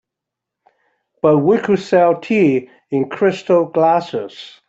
But we could sell tea in crystal glasses.